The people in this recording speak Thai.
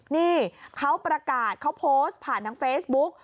นี่เขาประกาศเขาโพสต์ผ่านทางเฟซบุ๊ก